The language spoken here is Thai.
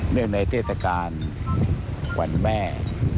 เนื่องในเทศกาลวันแม่